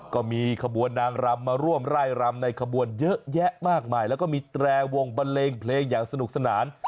ก็มีขบวนนางรำมาร่วมไล่รำในขบวนเยอะแยะมากมายแล้วก็มีแตรวงบันเลงเพลงอย่างสนุกสนาน